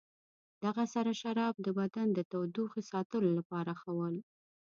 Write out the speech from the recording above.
دغه سره شراب د بدن د تودوخې ساتلو لپاره ښه ول.